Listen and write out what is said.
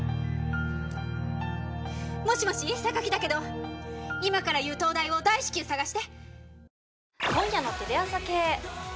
もしもし榊だけど今から言う灯台を大至急探して。